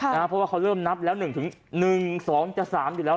เพราะว่าเขาเริ่มนับแล้ว๑๑๒จะ๓อยู่แล้ว